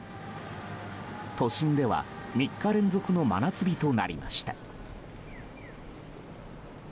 都心では３日連続の真夏日となりました。